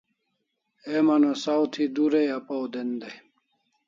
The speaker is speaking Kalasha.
Heman o saw thi durai apaw den dai